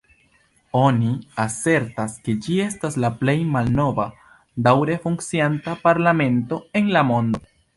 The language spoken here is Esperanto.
Oni asertas, ke ĝi estas la plej malnova daŭre funkcianta parlamento en la mondo.